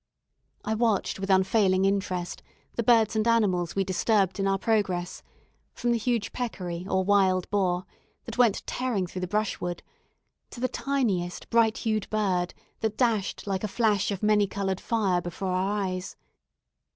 I watched with unfailing interest the birds and animals we disturbed in our progress, from the huge peccary or wild boar, that went tearing through the brushwood, to the tiniest bright hued bird that dashed like a flash of many coloured fire before our eyes.